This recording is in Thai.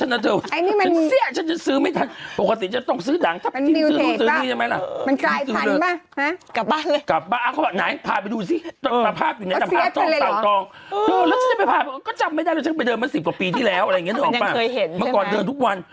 แล้วช่ามากว่า๑๐กว่าปีที่แล้วประกอบยังเป็นก่อนเพื่อเดินทุกวัน